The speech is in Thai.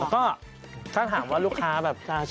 แล้วถามว่าลูกค้าอีกแล้วชอบที่พักเหมาะขนาดไหน